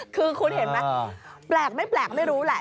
คือคุณเห็นไหมแปลกไม่แปลกไม่รู้แหละ